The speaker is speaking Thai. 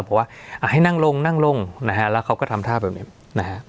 เพราะว่าให้นั่งลงนั่งลงนะฮะแล้วเขาก็ทำท่าแบบนี้นะฮะ